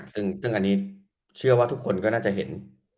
ซึ่งอันนี้เชื่อว่าทุกคนก็น่าจะเห็น